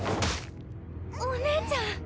お姉ちゃん！